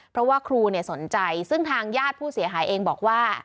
เพราะว่าครูสนใจซึ่งทางญาติผู้เสียหายเองบอกว่า